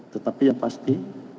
tetapi yang pasti